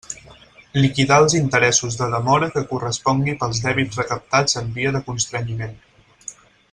Liquidar els interessos de demora que correspongui pels dèbits recaptats en via de constrenyiment.